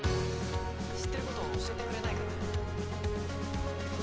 知ってることを教えてくれないかな。